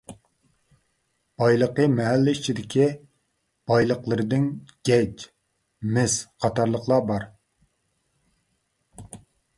بايلىقى مەھەللە ئىچىدىكى بايلىقلىرىدىن گەج، مىس قاتارلىقلار بار.